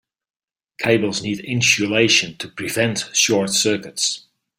Cables need insulation to prevent short circuits.